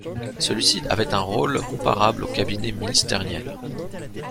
Celui-ci avait un rôle comparable aux cabinets ministériels.